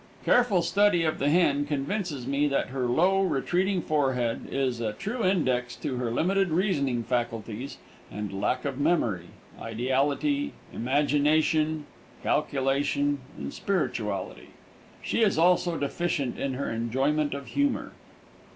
Careful study of the hen convinces me that her low, retreating forehead is a true index to her limited reasoning faculties and lack of memory, ideality, imagination, calculation and spirituality. She is also deficient in her enjoyment of humor.